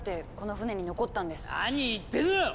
何言ってるのよ！